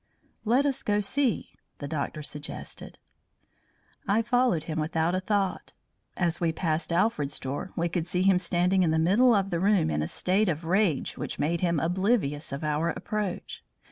"Let us go see!" the doctor suggested. I followed him without a thought. As we passed Alfred's door, we could see him standing in the middle of the room in a state of rage which made him oblivious of our approach.